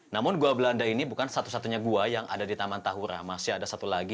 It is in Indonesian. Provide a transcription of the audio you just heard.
namun gua belanda ini bukan satu satunya gua yang ada di taman tahura masih ada satu lagi